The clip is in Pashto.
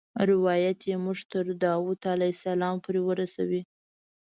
روایت یې موږ تر داود علیه السلام پورې ورسوي.